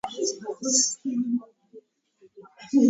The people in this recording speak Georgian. მეორეც ერთი ასეულით იწყება.